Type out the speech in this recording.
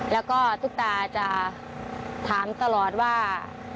แล้วก็ตุ๊กตาจะถามตลอดว่า